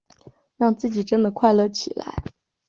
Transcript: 让自己真的快乐起来